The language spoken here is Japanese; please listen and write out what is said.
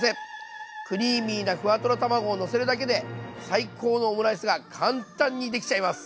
クリーミーなふわとろ卵をのせるだけで最高のオムライスが簡単にできちゃいます！